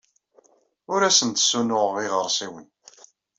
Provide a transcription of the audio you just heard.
Ur asen-d-ssunuɣeɣ iɣersiwen.